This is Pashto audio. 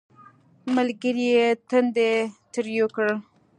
ملګري یې تندی ترېو کړ